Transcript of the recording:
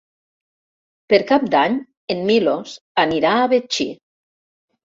Per Cap d'Any en Milos anirà a Betxí.